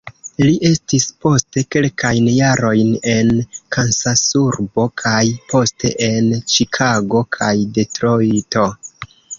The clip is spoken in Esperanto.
Li estis poste kelkajn jarojn en Kansasurbo kaj poste en Ĉikago kaj Detrojto.